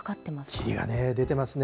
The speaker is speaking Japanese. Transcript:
霧がね、出てますね。